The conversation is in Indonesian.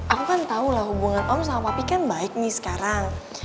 aku kan tau lah hubungan om sama papi kan baik nih sekarang